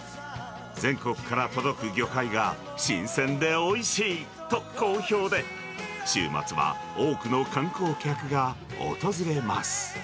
全国から届く魚介が新鮮でおいしいと好評で、週末は多くの観光客が訪れます。